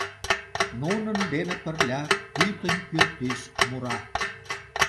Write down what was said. Нунын дене пырля пӱтынь пӱртӱс мура.